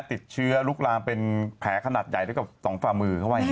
หลังเชื้อลูกรามเป็นแผลขนาดใหญ่ด้วยกับหล่องฝ่ามือเขาว่างี้